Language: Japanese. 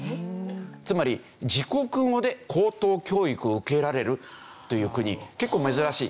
つまり自国語で高等教育を受けられるという国結構珍しい。